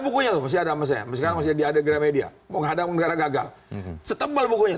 bukunya masih ada masyarakat masih di adegra media menghadang negara gagal setempat bukunya